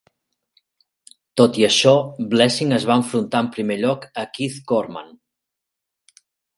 Tot i això, Blessing es va enfrontar en primer lloc a Keith Corman.